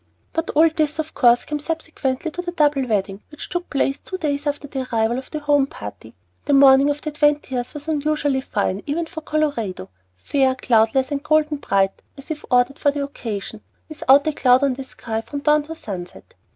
But all this, of course, came subsequently to the double wedding, which took place two days after the arrival of the home party. The morning of the twentieth was unusually fine, even for Colorado, fair, cloudless, and golden bright, as if ordered for the occasion, without a cloud on the sky from dawn to sunset.